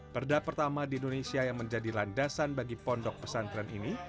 perda pertama di indonesia yang menjadi landasan bagi pondok pesantren ini